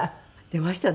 出ましたね。